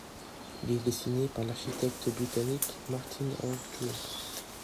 Il est dessiné par l'architecte britannique Martin Hawtree.